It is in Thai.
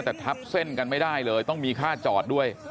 แต่ทับเส้นกันไม่ได้เลยต้องมีค่าจอดด้วย